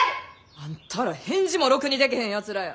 あんたら返事もろくにでけへんやつらや。